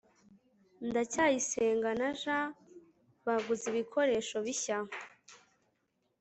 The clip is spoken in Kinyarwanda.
ndacyayisenga na j baguze ibikoresho bishya